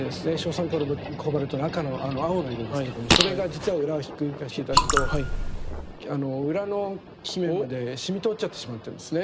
硝酸コバルトの青の色ですけれどもそれが実は裏ひっくり返して頂くと裏のきめまで染み通っちゃってしまってるんですね。